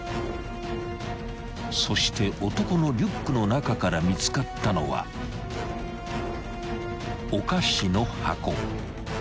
［そして男のリュックの中から見つかったのはお菓子の箱］